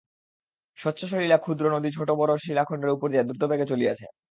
স্বচ্ছসলিলা ক্ষুদ্র নদী ছোটো বড়ো শিলাখণ্ডের উপর দিয়া দ্রুতবেগে চলিয়াছে।